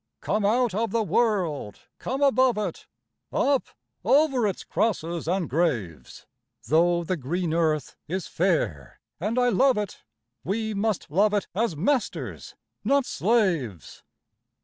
Come out of the world—come above it— Up over its crosses and graves, Though the green earth is fair and I love it, We must love it as masters, not slaves.